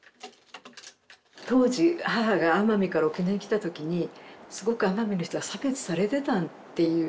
当時母が奄美から沖縄に来た時にすごく奄美の人は差別されてたっていうね。